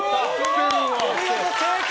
お見事、成功！